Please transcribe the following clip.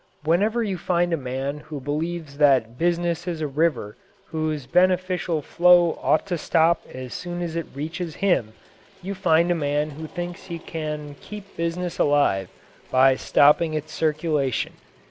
Whenever you find a man who believes that business is a river whose beneficial flow ought to stop as soon as it reaches him you find a man who thinks he can keep business alive by stopping its circulation.